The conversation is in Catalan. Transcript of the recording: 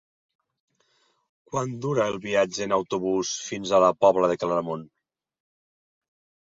Quant dura el viatge en autobús fins a la Pobla de Claramunt?